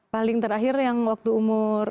paling terakhir yang waktu umur